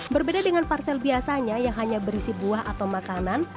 berbeda dengan parsel biasanya yang hanya berisi buah atau makanan